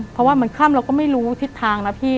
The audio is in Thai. เพราะว่ามันค่ำเราก็ไม่รู้ทิศทางนะพี่